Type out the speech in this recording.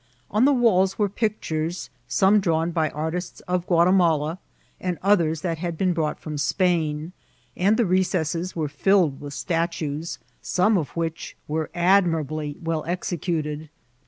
On the walls were pictures, some drawn by ar tists of Gnatimala, and others that had been brought firom Spain ; and the recesses were filled with statues, some of which were admirably well executed.